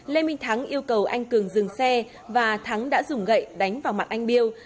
lê minh thắng yêu cầu anh cường dừng xe và thắng đã dùng gậy đánh vào mạng anh biêu